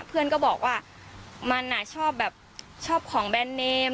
เพื่อนก็บอกว่ามันชอบแบบชอบของแบรนด์เนม